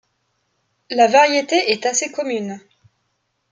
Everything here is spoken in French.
La variété est assez commune…